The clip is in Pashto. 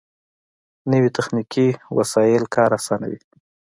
نوې تخنیکي وسایل کار آسانوي